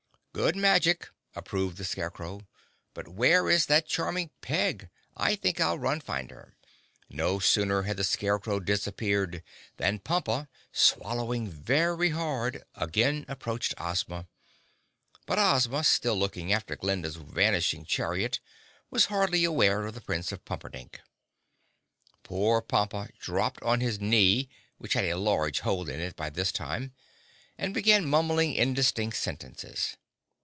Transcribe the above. "Good magic!" approved the Scarecrow. "But where is that charming Peg? I think I'll run find her." No sooner had the Scarecrow disappeared than Pompa, swallowing very hard, again approached Ozma. But Ozma, still looking after Glinda's vanishing chariot, was hardly aware of the Prince of Pumperdink. Poor Pompa dropped on his knee (which had a large hole in it by this time) and began mumbling indistinct sentences.